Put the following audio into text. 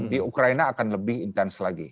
di ukraina akan lebih intens lagi